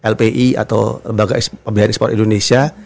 lpi atau lembaga pembiayaan ekspor indonesia